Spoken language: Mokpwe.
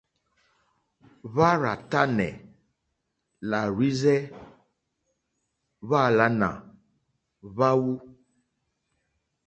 Hwá rzà tánɛ̀ làhwírzɛ́ hwáàlánà hwáwú.